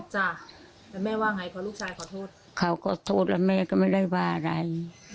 แต่แม่ว่าไงพอลูกชายขอโทษเค้าก็โทษแล้วแม่ก็ไม่ได้ว่าอะไร